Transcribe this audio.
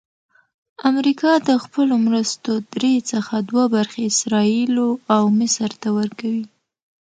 امریکا د خپلو مرستو درې څخه دوه برخې اسراییلو او مصر ته ورکوي.